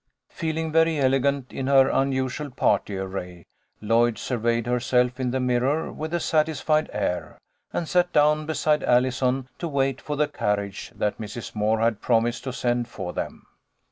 Feeling very elegant in her unusual party array, Lloyd surveyed herself in the mirror with a satisfied air, and sat down beside Allison to wait for the carriage that Mrs. Moore had promised to send for them.